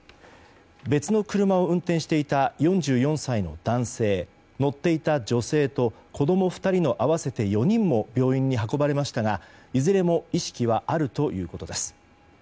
別の車を運転していた４４歳の男性乗っていた女性と子供２人の合わせて４人も病院に運ばれましたがいずれも意識はあるということです。